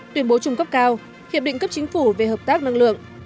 tuyên bố chung cấp cao hiệp định cấp chính phủ về hợp tác năng lượng